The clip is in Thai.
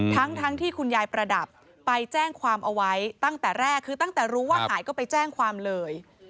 ทั้งที่คุณยายประดับไปแจ้งความเอาไว้ตั้งแต่แรกคือตั้งแต่รู้ว่าหายก็ไปแจ้งความเลย